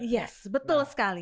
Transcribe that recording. yes betul sekali